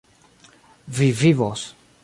Vi vivos.